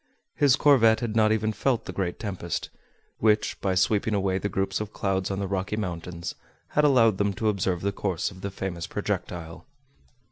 His corvette had not even felt the great tempest, which by sweeping away the groups of clouds on the Rocky Mountains, had allowed them to observe the course of the famous projectile.